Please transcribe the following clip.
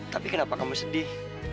tapi kenapa kamu sedih